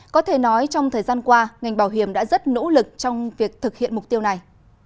có thể nói trong thời gian qua ngành bảo hiểm đã rất nỗ lực trong việc thực hiện mục tiêu này